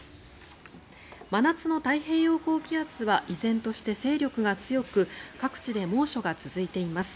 真夏の太平洋高気圧は依然として勢力が強く各地で猛暑が続いています。